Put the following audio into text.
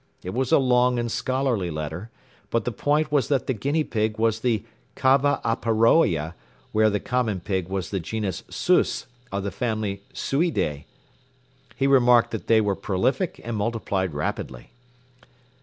It was a long and scholarly letter, but the point was that the guinea pig was the Cava aparoea while the common pig was the genius Sus of the family Suidae. He remarked that they were prolific and multiplied rapidly.